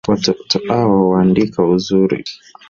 Watoto awa waandika uzuri